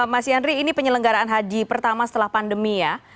mas yandri ini penyelenggaraan haji pertama setelah pandemi ya